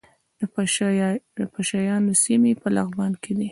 د پشه یانو سیمې په لغمان کې دي